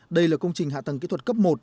đây là công trình hạ tầng kỹ thuật cấp một